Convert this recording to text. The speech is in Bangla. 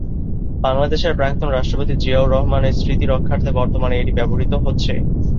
বাংলাদেশের প্রাক্তন রাষ্ট্রপতি জিয়াউর রহমান এর স্মৃতি রক্ষার্থে বর্তমানে এটি ব্যবহৃত হচ্ছে।